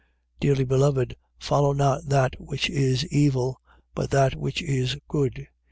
Dearly beloved, follow not that which is evil: but that which is good.